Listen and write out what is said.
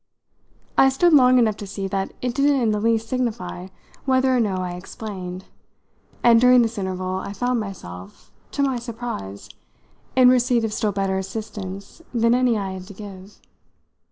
I stood long enough to see that it didn't in the least signify whether or no I explained, and during this interval I found myself to my surprise in receipt of still better assistance than any I had to give.